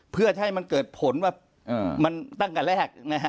เพื่อให้มันเกิดผลตั้งกันแรก